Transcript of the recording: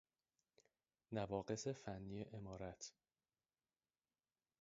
نواقص فنی عمارت